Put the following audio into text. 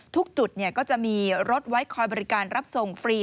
ทุกจุดก็จะมีรถไว้คอยบริการรับส่งฟรี